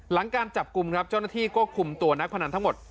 หลังการจับกลุ่มครับเจ้าหน้าที่ก็คุมตัวนักพนันทั้งหมด